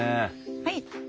はい。